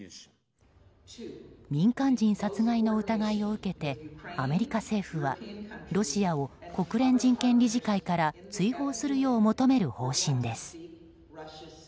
民間人殺害の疑いを受けてアメリカ政府はロシアを国連人権理事会から追放するよう求める方針です。